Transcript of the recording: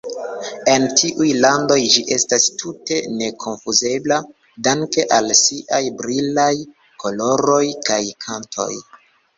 En tiuj landoj ĝi estas tute nekonfuzebla danke al siaj brilaj koloroj kaj kanto.